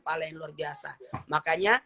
pala yang luar biasa makanya